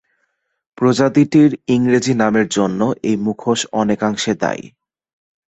প্রজাতিটির ইংরেজি নামের জন্য এই মুখোশ অনেকাংশে দায়ী।